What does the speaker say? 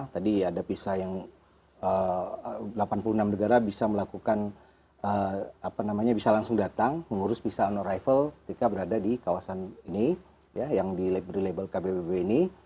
tadi ada visa yang delapan puluh enam negara bisa melakukan apa namanya bisa langsung datang mengurus bisa on arrival ketika berada di kawasan ini yang di label kbb ini